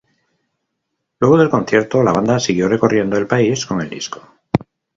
Luego del concierto, la banda siguió recorriendo el país con el disco.